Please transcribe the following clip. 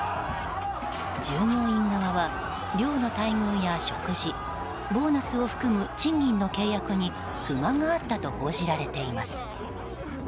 従業員側は、寮の待遇や食事ボーナスを含む賃金の契約に不満があったと報じられています。